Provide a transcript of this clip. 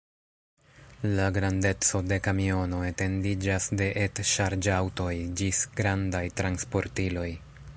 La grandeco de kamiono etendiĝas de et-ŝarĝaŭtoj ĝis grandaj transportiloj.